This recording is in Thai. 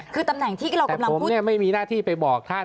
คือตำแหน่งที่เรากำลังพูดเนี่ยไม่มีหน้าที่ไปบอกท่าน